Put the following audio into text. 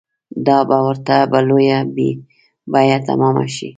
دا به ورته په لویه بیه تمامه شي.